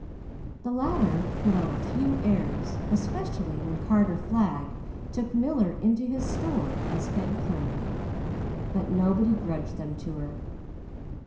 The latter put on a few airs especially when Carter Flagg took Miller into his store as head clerk but nobody grudged them to her.